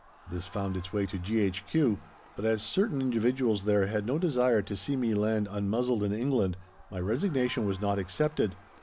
This found its way to G.H.Q., but as certain individuals there had no desire to see me land unmuzzled in England, my resignation was not accepted.